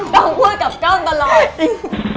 ต้องพูดกับกล้องตลอด